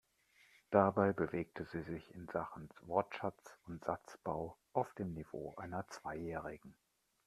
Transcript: Dabei bewegte sie sich in Sachen Wortschatz und Satzbau auf dem Niveau einer Zweijährigen.